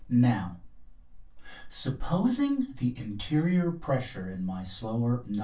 Now, supposing the interior pressure in my slower "No.